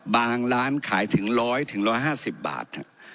ร้านขายถึง๑๐๐๑๕๐บาท